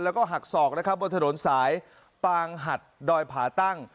แล้วก็หักศอกนะครับบนถนนสายปางหัดดอยผาตั้ง